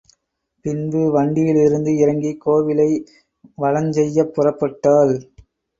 பின்பு வண்டியிலிருந்து இறங்கிக் கோவிலை வலஞ் செய்யப் புறப்பட்டாள்.